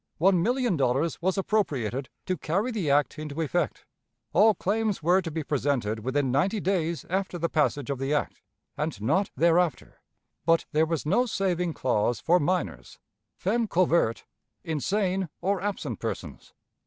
One million dollars was appropriated to carry the act into effect. All claims were to be presented within ninety days after the passage of the act, and not thereafter; but there was no saving clause for minors, femmes covert, insane or absent persons.